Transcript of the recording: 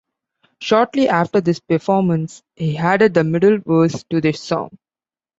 Shortly after this performance, he added the middle verse to the song.